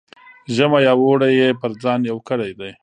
ژمی او اوړی یې پر ځان یو کړی دی.